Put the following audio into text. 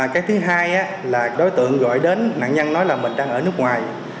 cái thứ hai là đối tượng gọi đến nạn nhân nói là mình đang ở nước ngoài